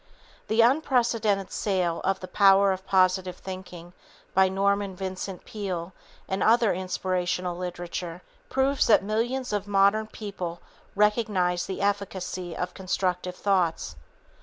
The unprecedented sale of The Power of Positive Thinking by Norman Vincent Peale and other inspirational literature proves that millions of modern people recognize the efficacy of constructive thoughts.